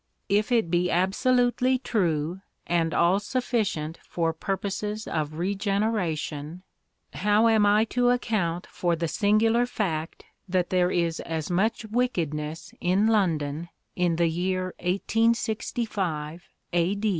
If it be absolutely true, and all sufficient for purposes of regeneration, how am I to account for the singular fact that there is as much wickedness in London in the year 1865 A.